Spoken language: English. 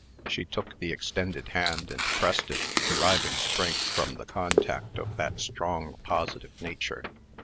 She took the extended hand, and pressed it, deriving strength from the contact of that strong, positive nature.